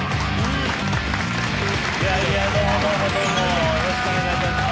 いやいやどうもどうもどうもよろしくお願いいたします